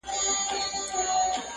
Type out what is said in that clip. اوس خو پوره تر دوو بـجــو ويــښ يـــم.